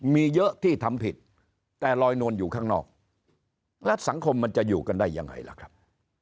มีเยอะที่ทำผิดแต่ลอยนวลอยู่ข้างนอกและสังคมมันจะอยู่กันได้ยังไงล่ะครับ